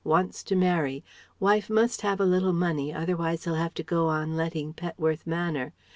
Wants to marry. Wife must have a little money, otherwise he'll have to go on letting Petworth Manor.